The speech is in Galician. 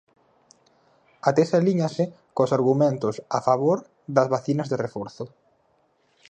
A tese alíñase coas argumentos a favor das vacinas de reforzo.